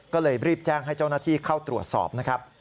ก็เลยรีบแจ้งให้เจ้าหน้าที่เข้าตรวจสอบนะครับ